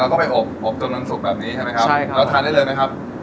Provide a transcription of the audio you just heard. เราทานได้เลยไหมครับ